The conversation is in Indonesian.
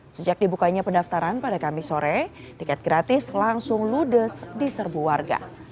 sejak dibukanya pendaftaran pada kamis sore tiket gratis langsung ludes di serbu warga